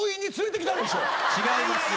違いますよ。